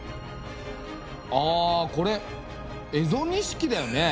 ああこれ蝦夷錦だよね。